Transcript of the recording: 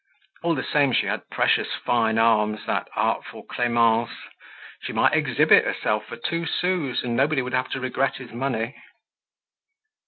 All the same, she had precious fine arms, that artful Clemence! She might exhibit herself for two sous and nobody would have to regret his money.